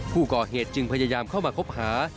ผู้ก่อเหตุจึงพยายามเข้ามาคบหา